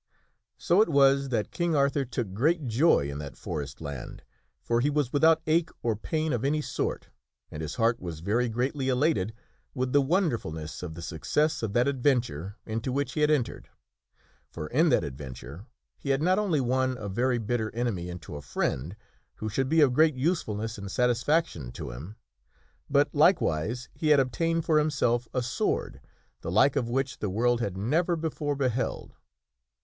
So it was that King Arthur took great joy in that forest land, for he was without ache or pain of any sort and his heart was very greatly elated with the wonderfulness of the success of that adventure into which he had entered. For in that adventure he had not only won a very bitter enemy into a friend who should be of great usefulness and satisfaction to him, but likewise, he had obtained for himself a sword, the like of which the world had never before beheld.